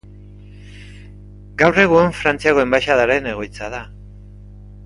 Gaur egun Frantziako enbaxadaren egoitza da.